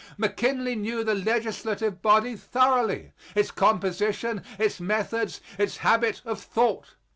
McKinley knew the legislative body thoroughly, its composition, its methods, its habit of thought.